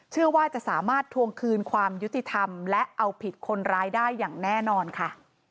เชื่อว่าจะสามารถทวงคืนความยุติธรรมและเอาผิดคนร้ายได้อย่างแน่นอนค่ะ